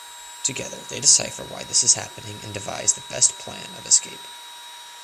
Together they decipher why this is happening and devise the best plan of escape.